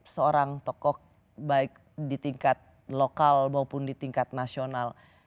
seorang tokoh baik di tingkat lokal maupun di tingkat nasional